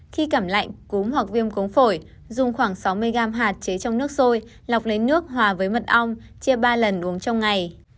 khi cảm lạnh cúm hoặc viêm cống phổi dùng khoảng sáu mươi gram hạt chế trong nước sôi lọc lấy nước hòa với mật ong chia ba lần uống trong ngày